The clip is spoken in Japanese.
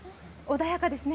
穏やかですね。